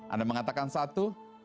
anda mengatakan satu